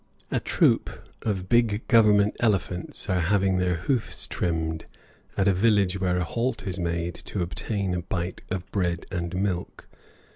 A troop of big government elephants are having their hoofs trimmed at a village where a halt is made to obtain a bite of bread and milk.